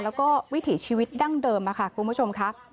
แล้วก็วิถีชีวิตดั้งเดิมค่ะคุณผู้ชมค่ะ